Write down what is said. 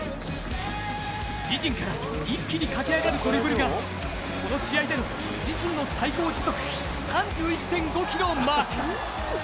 自陣から一気に駆け上がるドリブルが、この試合での自身の最高時速３１．５キロをマーク。